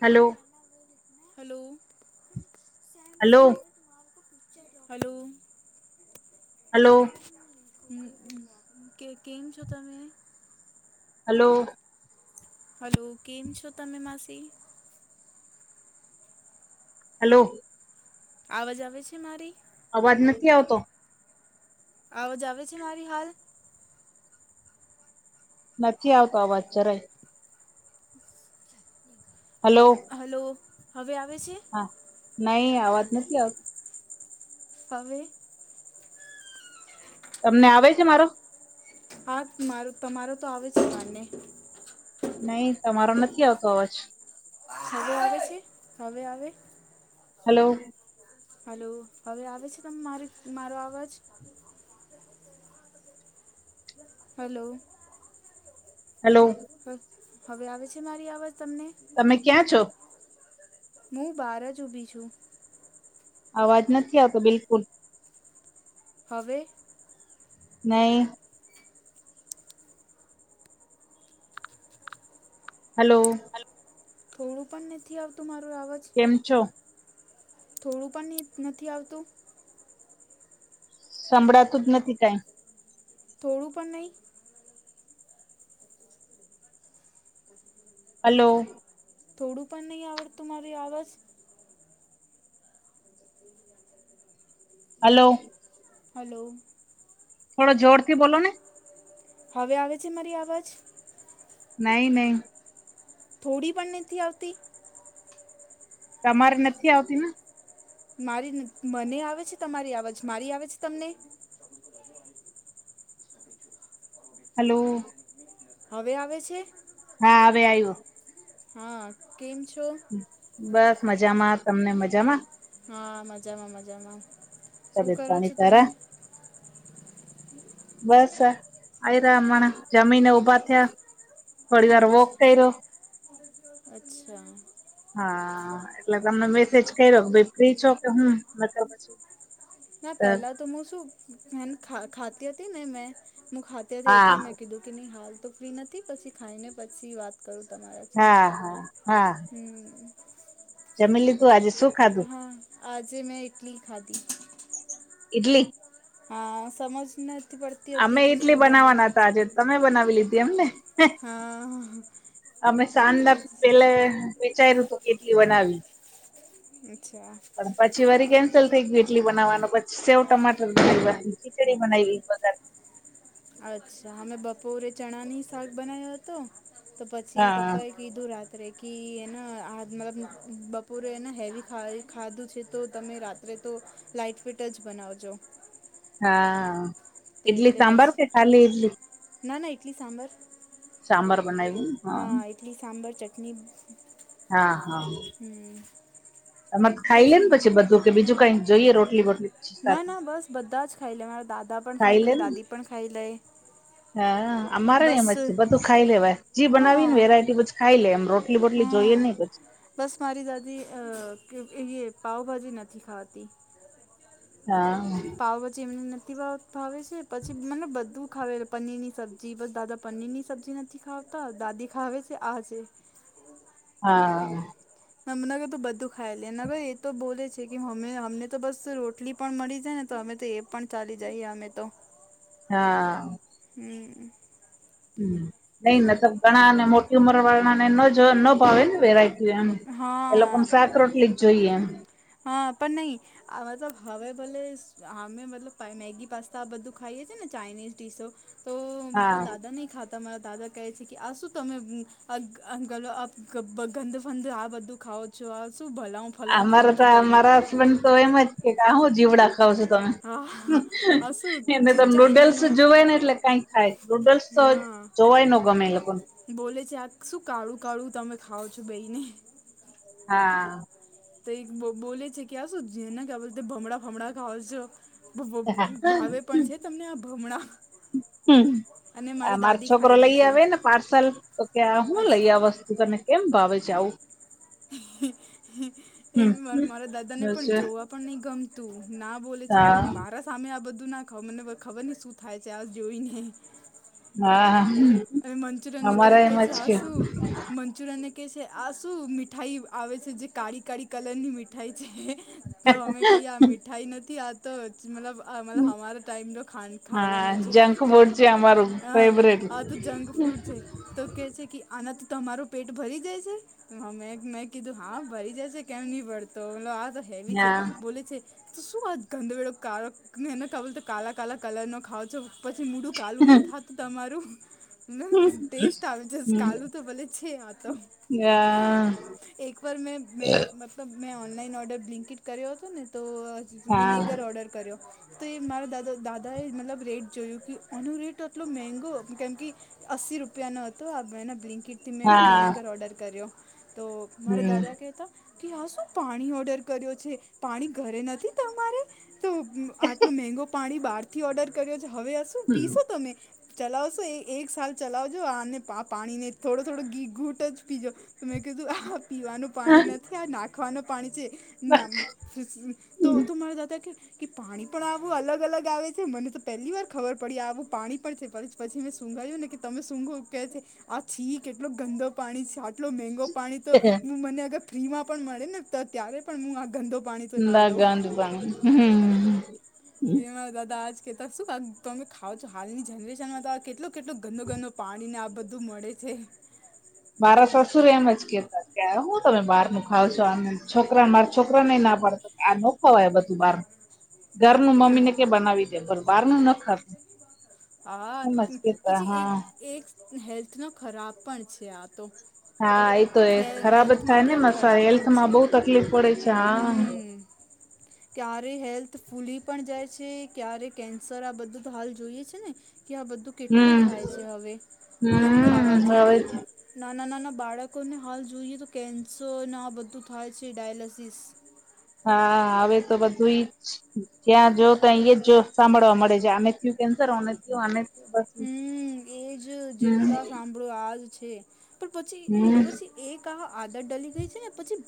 Hello hello hello hello hello ક કે કેમ છો તમે? હલો હલો કેમ છો તમે માસી? હલો આવાજ આવે છે મારી? અવાજ નથી આવતો. આવાજ આવે છે મારી હાલ? નથી આવતો અવાજ જરાય. હલો હલો હવે આવે છે? હા નઈ આવાજ નથી આવતી. હવે? તમને આવે છે મારો? હા મારું તમારો તો આવે છે માને નઈ તમારો નથી આવતો અવાજ હવે આવે છે હવે આવે? હલો. હલો હવે આવે છે તમે મારી મારો અવાજ હલો. હલો. હવે આવે છે મારી આવાજ તમને તમે ક્યાં છો? હું બાર જ ઊભી છું. અવાજ નથી આવતો બિલકુલ હવે નહી. હલો. થોડું પણ નથી આવતું મારું આવાજ કેમ છો? થોડું પણ નથી આવતું સંભળાતું જ નથી કાય થોડું પણ નહી હલો. થોડું પણ નહી આવડતું મારી આવાજ હલો. હલો. થોડો જોર થી બોલો ને હવે આવે છે મારી અવાજ નહી નહી થોડી પણ નથી આવતી તમારે નથી આવતીને મારી મને આવે છે તમારી અવાજ મારી આવે છે તમને હલો. હવે આવે છે. હા હવે આયું. હા કેમ છો? બસ મજામાં તમને મજામાં હા મજામાં મજામાં શું તબિયત કરો છો પાણી તારા તમે બસ આ રહયા અમારા જમીનને ઊભા થયા થોડી વાર વોક કર્યો [inaudible] અચ્છા. હા એટલે તમને મેસેજ કર્યો કોઈ ફ્રી છો કે હમ્મ પછી ના પહેલા તો હું શું ખાતી હતી ને મે ખાતી જ્યાં તા હા એટલે મેં કીધું કે નહીં હાલ તો ફ્રી નથી પછી ખાઈને પછી વાત હા હા હા [unintelligible] જમી લીધુ આજે શું ખાધું હા આજે મેં ઇટલી ખાધી ઈડલી હા સમજ નથી પડતી હતી અમે કે ઈડલી શું બનાવવાના બનાવી હતા આજે તમે બનાવી લીધી એમને હે હા અમે ચાલા એ જ છે પેલે વીચાર્યું તો કેટલી બનાવી અચ્છા. પછી વારી કેન્સલ થઈ ગ્યું ઇટલી બનાવવાનું પછી સેવ ટમાટર બનાય્વા. ખીચડી બનાઈઈ વઘાર અચ્છા અમે બપોરે ચણા ની શાક બનાવ્યો હતો તો પછી હા પપ્પા એ કીધું રાત્રે કે એને આ મતલબ બપોરે એને હેવી ખાય ખાધું છે તો તમે રાત ત્રે તો લાાઈટ ફિટ જ બનાવજો. હા. તે ઈડલી એટલે બછ સાંભાર કે ખાલી ઈડલી ના ના એટલી સાંભર સાંભાર બનાય્વો હા. ટલી સાંભાર ચટની હા હા અમાંર ખાઈ લેને પછી બધું કે બીજું કઈક જોઈએ રોટલી બોટલી. પછી ના સાથે ના બસ બધા જ ખાઈ લે મારા દાદા પણ ખાઈ લે દાદી પણ ખાઈ લે. હા અમારે એમ બસ જ છે બધું ખાઈ લેવાય જી બનાવી ન હા વેરાયટી બધ ખાઈ લેમ રો ટલી બોટલી જોઈએ હમ નઈ પછી. બસ મારી દાદી અ એ એ પાાવભાજી નથી ખાવાતી. હા. આ પછી એમને નથી વા ફાવે છે પછી મને બધું ખાવે. પનીર ની સબ્જી બસ દાદા પનીર ની સબ્જી નથી ખાવતા દાદી ખાવે છે આજે. હા. તમ ના કીધું બધું ખાઈ લે નકર એ તો બોલે છે કે મમ્મી અમને તો બસ રોટલી પણ મળી જાય ને તો અમે તો એ પણ ચાલી જઈએ અમે તો. હા. હમ. હમ નઈ નહિતર ઘણાને મોટી ઉંમર વાળાને નજ ન ભાવેને વેરાઈ ટી એમ એ લોકોન હા શાક રોટલી જ જોઈએ એમ. હા પન નહી હવે તો ભાવે ભલે હા અમે મતલબ પા મેગી પાસ્તા આ બધું ખાઈએ છીએ ને ચાઇનીઝ ડીસો તો મારા હા દાદા નહી ખા તમારા દાદા કહે છે કે આ શું તમે અન અન ગલો અપ બધ ગંધ ફંધ આ બધું ખાાવ છો આ શું ભલાઉ અમારા તો અમારા હસબન્ડ તો એમ જ કે હું આ જીવડા ખાવ છો તમે હા હા આ શું એને તો નૂડલ્સ ચાઈનોનો જોવાય ને એટલે કઈક થાય. નૂડલ્સ તો હા જોવાય નો ગમે એ લોકોને. બોલે છે આ શું કાળું કાળું તમે ખાાવ છો? બેઈ ને. હા. તો એક બ બોલે છે કે આ શું જેને ક્યા બોલ ભમડા ફમલા ખાવ છો. બબ ભાવે પણ છે? તમને આ ભમણા. અને મારી અમારો દાદી છોકરો ખાઈ લે લઈ છે આવે ને પાર્સલ તો કે આ હું લઈ અચ્છા આવશ. તતો તને કેમ ભાવે છે આવું? એ હમ માર મારા દાદા ને પણ જોવા પણ નહી ગમતું ના બોલે છે આવ હા મારા સામે આ બધું ના ખાવ મને ખબર ને શું થાય છે આ જોઈને. હા અને મંચુરિયનને તો એ અમારા કહે એમાં છે જ આ કે. શું મંચુરિયનને કહે છે આ શું મીઠાઈ આવે છે જે કાળી કાળી કલરની મીઠાઈ છે. તો અમે કહી આ મીઠાઈ નથી આ તો જ મતલબ અમારા ટાઈમ તો ખાવાનો છે તો જે અમારું હા ફેવરેટ આ તો જંક ફ્રૂડ છે તો કહે છે, કે આનાથી તો તમારુ પેટ ભરી જાય છે? મેં કીધું હા ભરી જશે કેમ નહિ ભરતો તો આ તો હેવી છે હા બોલે છે. શું આ ગંધ વેળો કાળો કાળા કાલા કાલા કલર નો ખાવ છો. પછી મુઢું કાલું નહી થતું તમારું ના હમ ટેસ્ટ આવે છે હમ કાલું તો ભલે છે આ તો હા એક વાર મે મે અ તો મેં ઓનલાઈન ઓર્ડર બ્લિંકટ કર્યો હતો ને તો હા વિનેગર ઓર્ડર કર્યો. તો એ મારા દાદા દાદા એ મતલબ રેટ જોયું કે આનો રેટ આટલો મેઘો કેમ કે અસી રૂપિયાનો હતો આ બેના બ્લિન્કિટ મેં હા વિનેગર ઓર્ડર કર્યો. તો મારા હમ દાદા કેતા કે આ શું પાણી ઓર્ડર કર્યો છે પાણી ઘરે નથી તમારે તો આટલું મેઘુ પાણી બહારથી ઓર્ડર કર્યો છે હવે શું પીશો તમે ચલાવશો? એ એક સાલ ચલાવજો અને પા પાણી થોડો થોડો ઘી ઘૂટ જ પીજો તો મેં કીધું આ પીવાનું પાણી નથી આ નાખવાનું પાણી છે તો તું મારા દાદા કે કે પાણી પણ આવું અલગ અલગ આવે છે મને તો પહેલી વાર ખબર પડી આવું પાણી પણ છે. પછી મેં શુંગાયુ ને કે તમે સુંઘો કે છે આ છી કેટલો ગંદો પાણી છે સ્વાદ એટલો મેંગો પાણી તો મને અગર ફ્રીમાં પણ મળે ને તો ત્યારે પણ હું આ ગંદો પાણી તો ના લઉં ગાંધ પાણી હમ્મ. એ મા દાદા આજ કેતા શું તમે ખાવ છો હાલની જનરેશનમાં તો આ કેટલો કેટલું ગંદુ ગંદુ પાણી ને આ બધું મળે છે. મારા સસુરે એમ જ કેતા કે હું તમે બહાર નું ખાવ છો આ છોકરા મારા છોકરા ને ના પાડતા. આ નો ખવાય બધું બારનું [inaudible] ઘરનું મમ્મી ને કે બનાવી દે પણ બહાર નું ન ખાતું હા એમ જ કેતા પછી એક હા એક હેલ્થ નો ખરાબ પણ છે આ તો હા એ તો એ ખે ખરાબ જ હેલ્થ થાય માટે ને મ આ સર ખરાબ પણ હેલ્થમાં છે બહુ તકલીફ પડે છે હા. હમ ક્યારે હેલ્થ ફૂલી પણ જાય છે ક્યારે કેન્સર આ બધું તો હાલ જોઈએ છે ને કે આ બધું કેટલું હમ થાય છે હવે આઠ હમ ખાવાથી તો હવે નાના નાના બાળક કોને હાલ જોઈએ તો કેન્સર ના બધું થાય છે ડાયાલસિસ હા હવે તો બધુંયચ જ્યાં જો તો એ જ જો સાંભળવા મળે છે આમે થયું કેન્સરને થયું આને થયું બસ ઈ જ. હમ્મ એજ હમ જેટલા સાંભળો આજ છે પણ પછી હમ પછી એક આ આદર ડલી ગઈ છે ને પછી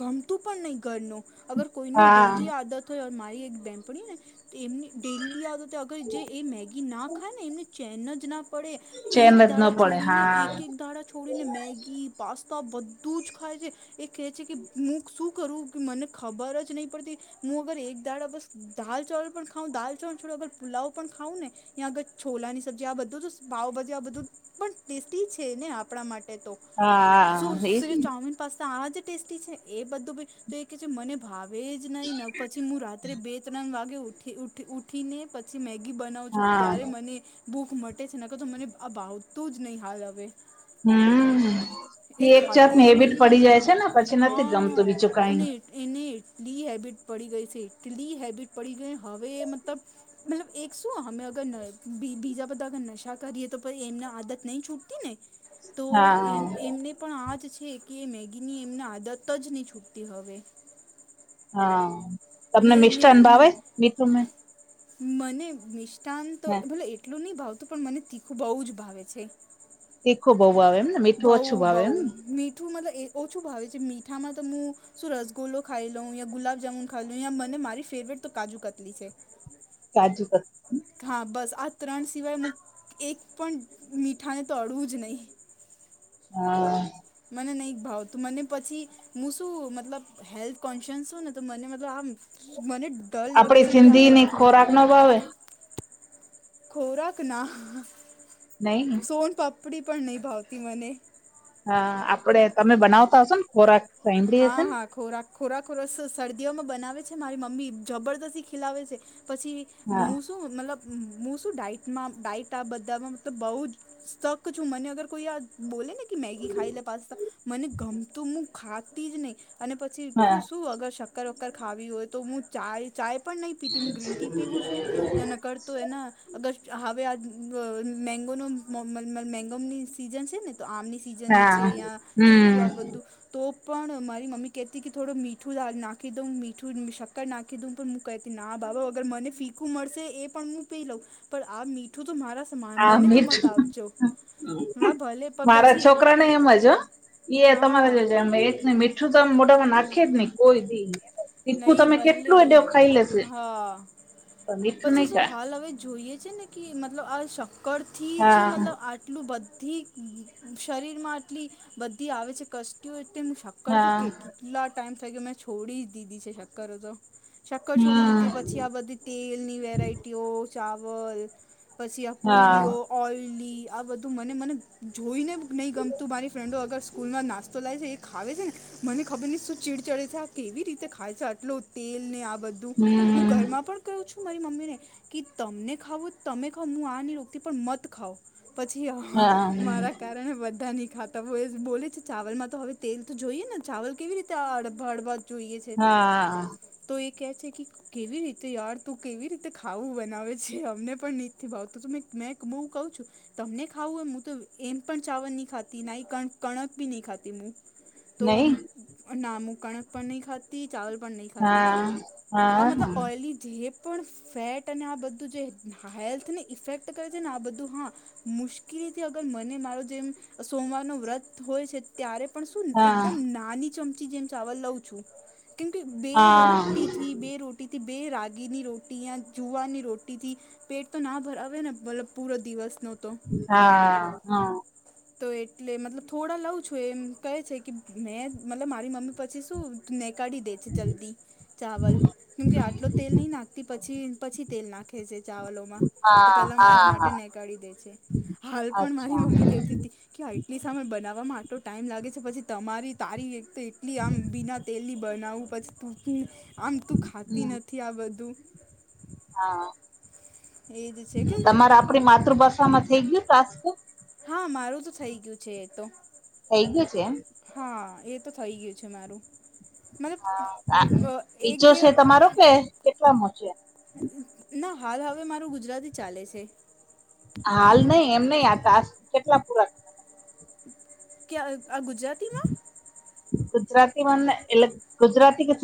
ગમતું પણ નહી ઘરનું અગર કોઈને હા ડેલી આદત હોય મારી એક બેમ્પણી ને તો એમની ડેલી આદત અગર જે એ મેગી ના ખાય ને એમને ચેન જ ના પડે ચેન એક જ ન દાડા પડે છોડીને હા એક એક દાડા છો છોડીને મેગી પાસ્તા બધું જ ખાય છે. એ કેહે છે કે હું શું કરું કે મને ખબર જ નહી પડતી. હું અગર એક દાડા બસ દાલ ચાવલ પણ ખાઉ દાલ ચવલ છોડ અગર પુલાવ પણ ખાઉં ને ત્યા આગળ છોલાની સબ્જી આ બધું તો પાવ ભાજી આ બધું પણ ટેસ્ટી છે ને આપણા માટે તો હા એજ શું ને. ચોમીન પાસ્તા આજ ટેસ્ટી છે એ બધું બી તો કે મને ભાવે જ નહીં ન પછી હું રાત્રે બે ત્રણ વાગે ઉઠી ઉઠી ઊઠીને પછી મેગી બનાવું છું હા ત્યારે મને ભૂખ મટે છે નાખ તો મને આ ભાવતો જ નહીં હાલ હવે. હમ એ એક ખાતી જાતની જ હેબિટ પડી નહીં જાય છે ને પછી નથી ગમતું હા બીજું કઈ અને એ- એને એટલી હેબિટ પડી ગઈ છે એટલી હેબિટ પડી ગઈ હવે એ મતલબ મતલબ એક શું અમે અગર બીજા બધાગર નશા કરીએ તો એમને આદત નહી છૂટતી ને તો હા એમ એમને પણ આ જ છે કે મેગી ની એમના આદત જ નહી છૂટતી હવે. હા તમને અને એમની મિષ્ટાન મમ્મી ભાવે મીઠું મ મને મિષ્ટાંત તો હે ભલે એટલું નહી ભાવતું પણ મને તીખું બહ જ ભાવે છે. તીખું બહુ ભ આવે એમને મીઠું ઓછું ભાવે એમ. ઠૂં મતલબ એ ઓછું ભાવે છે મીઠામાં તો હું શું રસગુલ્લો ખાઈ લઉ યા ગુલાબ જામુ ખાઈ લવ યા મને મારી ફેવરેટ કાજુ કતલી છે. કાજુ કત હા બસ આ ત્રણ સિવાય હું એક પણ મીઠાને તો અડવું જ નહીં. હા. મને નહીં ભાવ તું મને પછી હું શું મતલબ હેલ્થ કોન્શિયસ હો ને તો મને મતલબ આમ મને ડર લાગે આપડી છે કે આ સિંધી ની બધું ખોરાક નો ભાવે. ખોરાક ના નહી. સોન પાપડી પણ નહીં ભાવતી મને. હા આપડે તમે બનાવતા હશો ને ખોરાક સાંભળી હા હશે ને હા. ખોરાક ખોરાક ખોરસ શરદીઓમાં બનાવે છે મારી મમ્મી જબરદસ્તી ખિલાવે છે પછી હા હું શું મતલબ હું શું ડાઇટમાં ડાઇટ આ બધામાં મતલબ બહુ જ તક છું મને અગર કોઈ આ બોલે ને કે મેગી લ પાતા મને ગમતું હું જ નહી અને હા પછી અગર શક્કર ખાવી હોય તો હું ચાય ચાય પણ નહી પીતી હું ગ્રીન ટી પીવું છું એ ન કરતો એના અગર હવે આ મેગો ન મેગોની સિઝન છે ને તો આમની સીઝન છે હા યા ચીકું હમ આ બધું તો પણ મારી મમ્મી કહેતી કે થોડું મીઠું દ નાખી દઉં મીઠું શક્કર નાખી દઉં પણ કતી ના બાબા અગર મને ફીખું મળશે એ પણ હું પે લઉં પણ આ મીઠું તો મારા આ મને તો મત મીઠું આવજો. છોકરાને એમજ એ હા તમારે શું તો આમ મોટામાં નાખે જ નહી કોઈ દી. તીખું નહી તમે ભલે કેટલું એડો ખાઈ લેશે હહહ. પણ મીઠું પછી નહી શું ખાય હાલ હવે જોઈએ છે ને કે મતલબ આ શક્કર થી જ હા મતલબ આટલું બધી આટલી બધી આવે છે તેમ શક શક્કર તો હા કેટલા ટાઈમ થઈ ગયો મેં છોડી જ દીધી છે શક્કર તો. શક્કર છોડી હમ દીધે પછી આ બધી તેલની વેરાયટીઓ ચાવલ આ હા પુરીઓ ઓઈલી આ બધું મને મને નહીં ગમતું મારી ફ્રેન્ડો અગર સ્કૂલમાં નાસ્તો લાય છે એ ખાવે છે ને મને ખબર ન શું ચીડ ચડે છે આ કેવી રીતે ખાય છે આટલું તેલ ને આ બધું હું હમ ઘરમાં પણ કું છું મારી મમ્મી ને કે તમને ખાવું ખાવ હું રોગથી પણ મત ખાવ હા પછી મારા કારણે બધાની ખાત તવ એજ બોલે છે ચાવલમાં તો હવે તેલ તો જોઈએ ને ચાવલ કેવી રીતે અડ હડવા જોઈએ છે. તે તો હા તો એ કે છે કે કેવી રીતે યાડ તું કેવી રીતે ખાવું બનાવે છે અમને પણ ની થી ભાવતું તો મેક મેક બું કઉ છું તમને ખાવું હોય મું તો એમ પણ ચાવર નહી ખાતી ના કાન કણક બી નહી ખાતી મું. તો નહી બુ નામું કણક પણ નહીં ખા તી ચાવલ પણ નહી ખાતી હા હા આ મતલબ ઓયલી જે પણ ફેટ અને આ બધું જે હેલ્થને ઇફેક્ટ કરે છે ને આ બધું હા મુશ્કેલીથી અગર મને મારો જેમ સોમવાર ન વ્રત હોય છે ત્યારે પણ શું હા એકદમ નાની ચમચી જેમ ચાવલ લઉં છું. કેંમકે બે હા રોટી થી બે રોટીથી બે રાગીની રોટી યાં જુવારની રોટીથી પેટ તો ના ભરાવે ને મતલબ પૂરો દિવસ નો તો. હા હા. તો એટલે મતલબ થોડા લઉં છું એમ કહે છે કે મેં મતલબ મારી મમ્મી પછી શું ને કાઢી દેતી જલ્દી ચાવલ કેમ કે આટલો તેલ નહીં નાખતી પ છીમ પછી તેલ નાખ ખે છે ચાવલોમાં તો હા પેલા મારા હા માટે હા નહી કઢી દે છે હાલ પણ મારી અચ્છા મમ્મી કેતી કે એટલી સામે બનાવવામાં આટલો ટાઈમ લાગે છે પછી તમારી તારી તો એટલી આમ બીના તેલની બનાવું પછી તું આમ તું ખાતી હમ ન થી આ બધુ. હા કેમ કે તમાર આપડી માતૃભાષામાં થઈ ગ્યું પાસબુક. હા મારું તો થઈ ગ્યું છે એ તો. થઈ ગ્યું છે એમ. હા એ તો થઇ ગ્યું છે મારું. હા મતલબ અ, એ એક ચો બે છે તમારો કે કેટલા મો છે? ના હાલ હવે મારું ગુજરાતી ચાલે છે. હાલ નહી એમ નહી આ ટાસ્ક કેટલા પૂરા ક્યાં અ આ ગુજરા ગુજરાતી મને એટલે ગુજરાતી કે શું